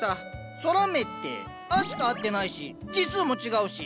空目って「ア」しか合ってないし字数も違うし。